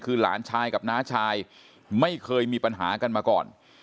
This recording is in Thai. คือหลานชายกับน้าชายไม่เคยมีปัญหากันมาก่อน